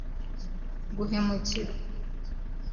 guhemukirwa